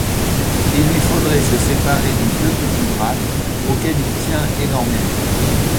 Il lui faudrait se séparer de deux petits Braque auxquels il tient énormément.